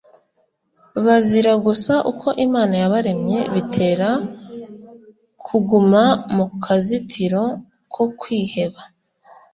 bazira gusa uko Imana yabaremye bitera kuguma mu kazitiro ko kwiheba